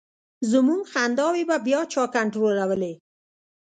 زمونږ خنداوې به بیا چا کنټرولولې.